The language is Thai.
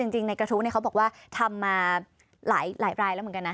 จริงในกระทู้เขาบอกว่าทำมาหลายรายแล้วเหมือนกันนะ